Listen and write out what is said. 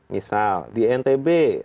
misal di ntb